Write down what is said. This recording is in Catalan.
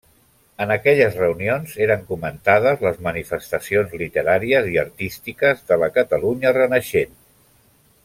En aquelles reunions eren comentades les manifestacions literàries i artístiques de la Catalunya renaixent.